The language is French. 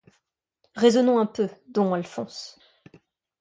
Raisonnons un peu, don Alphonse.